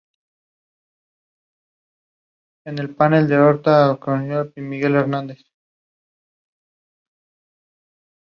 Fue jefe de la Gendarmería Montada de la capital.